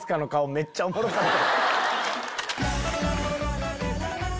めっちゃおもろかった。